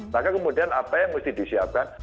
maka kemudian apa yang mesti disiapkan